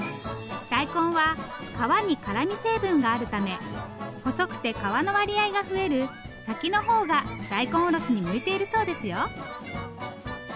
大根は皮に辛み成分があるため細くて皮の割合が増える先のほうが大根おろしに向いているそうですよ。